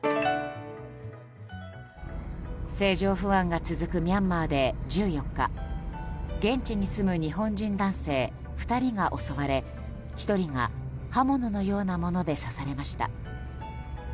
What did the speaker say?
政情不安が続くミャンマーで１４日現地に住む日本人男性２人が襲われ１人が刃物のようなもので刺されました。